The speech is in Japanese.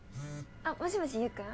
あっもしもしユウ君？